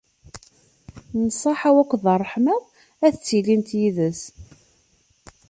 Nnṣaḥa-w akked ṛṛeḥma-w ad ttilint yid-s.